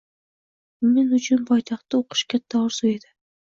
Men uchun poytaxtda o‘qish katta orzu edi.